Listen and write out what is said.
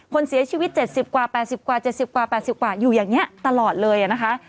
คนเสียชีวิต๗๐กว่า๘๐กว่า๗๐กว่า๘๐กว่าอยู่อย่างนี้ตลอดเลยนะคะ